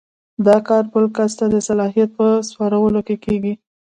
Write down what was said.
دا کار بل کس ته د صلاحیت په سپارلو کیږي.